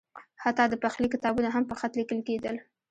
حتی د پخلي کتابونه هم په خط لیکل کېدل.